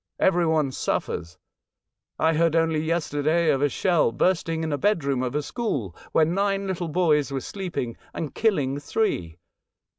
Every one suffers. I heard only yesterday of a shell bursting in a bedroom of a school where nine little boys were sleeping, and killing three.